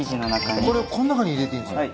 これこの中に入れていいんですか？